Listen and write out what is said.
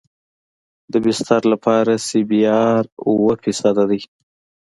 د بستر لپاره سی بي ار اوه فیصده دی